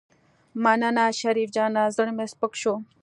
مننه شريف جانه زړه مې سپک شو.